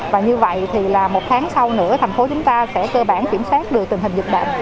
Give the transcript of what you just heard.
và như vậy thì là một tháng sau nữa thành phố chúng ta sẽ cơ bản kiểm soát được tình hình dịch bệnh